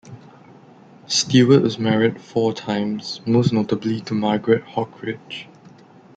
Stewart was married four times, most notably to Margaret Hockridge.